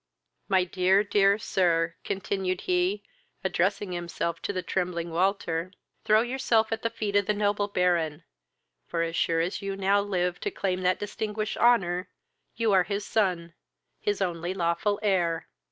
"My dear, dear sir, (continued he, addressing himself to the trembling Walter,) throw yourself at the feet of the noble Baron; for, as sure as you now live to claim that distinguished honour, you are his son, his only lawful heir!